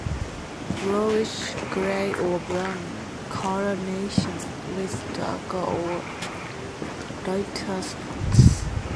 Brownish grey or brown coloration with darker or lighter spots.